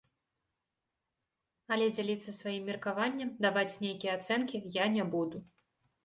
Але дзяліцца сваім меркаваннем, даваць нейкія ацэнкі я не буду.